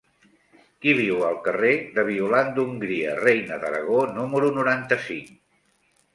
Qui viu al carrer de Violant d'Hongria Reina d'Aragó número noranta-cinc?